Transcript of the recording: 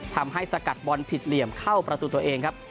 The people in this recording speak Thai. สกัดบอลผิดเหลี่ยมเข้าประตูตัวเองครับ